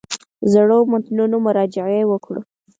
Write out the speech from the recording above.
زړو متنونو مراجعې وکړو.